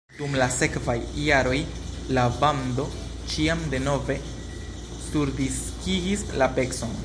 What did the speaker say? Dum la sekvaj jaroj la bando ĉiam denove surdiskigis la pecon.